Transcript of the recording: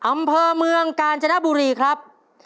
อำเภอเมืองกาญจนบุรีครับ